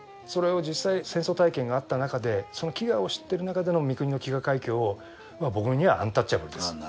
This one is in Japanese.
それを実際戦争体験があったなかでその飢餓を知ってるなかでの三國の『飢餓海峡』は僕にはアンタッチャブルです。